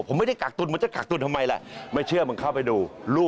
ผมไม่ได้กักตุลมึงจะกักตุลทำไมแหละไม่เชื่อมึงเข้าไปดูลูก